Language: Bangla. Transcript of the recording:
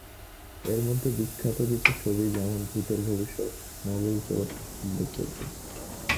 এরমধ্যে বিখ্যাত কিছু ছবি যেমন ভূতের ভবিষ্যত, নোবেল চোর উল্লেখযোগ্য।